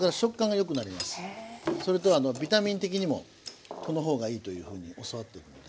それとビタミン的にもこの方がいいというふうに教わってるので。